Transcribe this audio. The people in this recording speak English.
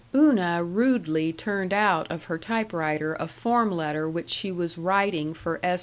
Una rudely turned out of her typewriter a form letter which she was writing for S.